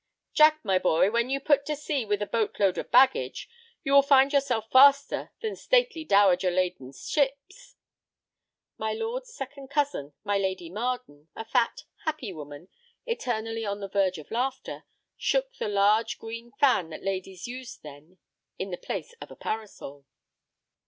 "Jack, my boy, when you put to sea with a boat load of 'baggage,' you will find yourself faster than stately dowager ladened ships." My lord's second cousin, my Lady Marden, a fat, happy woman eternally on the verge of laughter, shook the large green fan that ladies used then in the place of a parasol.